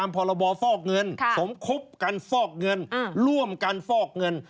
พรบฟอกเงินสมคบกันฟอกเงินร่วมกันฟอกเงิน